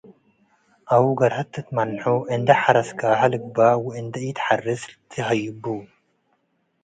አው ገርሀት ትትመንሑ እንዴ ሐረስካሀ ልግበእ ወእንዴ ኢትትሐረስ ትሀይቡ ።